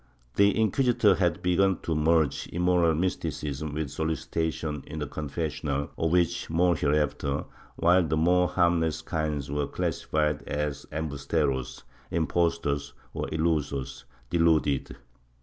The inquisitors had begim to merge immoral mysti cism with solicitation in the confessional, of which more hereafter, while the more harmless kinds were classified as emhusieros (impos tors) or ilusos (deluded).